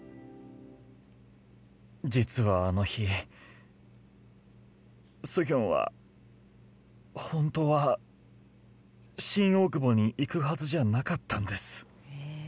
実はあの日スヒョンはホントは新大久保に行くはずじゃなかったんです